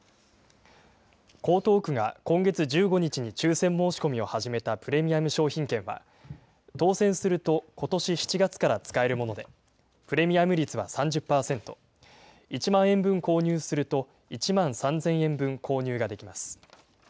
江東区が今月１５日に抽せん申し込みを始めたプレミアム商品券は、当せんするとことし７月から使えるもので、プレミアム率は３０％、１万円分購入すると１万３０００円分購入ができます。